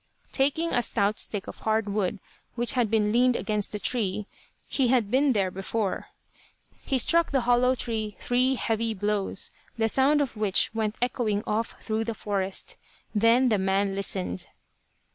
Taking a stout stick of hard wood which had been leaned against the tree, he had been there before, he struck the hollow tree three heavy blows, the sound of which went echoing off through the forest. Then the man listened.